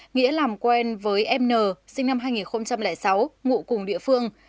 nghĩa làm quen với em n sinh năm hai nghìn sáu ngụ cùng địa phương